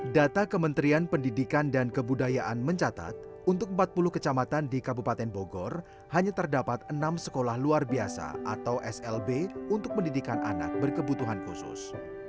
data kementerian pendidikan dan kebudayaan mencatat untuk empat puluh kecamatan di kabupaten bogor hanya terdapat enam sekolah luar biasa atau slb untuk pendidikan anak berkebutuhan khusus